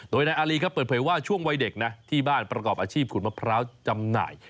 โดยนายอารีครับเปิดเผยว่าช่วงวัยเด็กนะที่บ้านประกอบอาชีพขุดมะพร้าวจำหน่าย